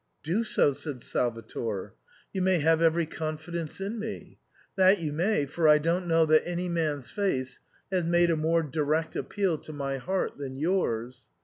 " Do so," said Salvator ;" you may have every con fidence in me — ^that you may, for I don't know that any man's face has made a more direct appeal to my heart than yours.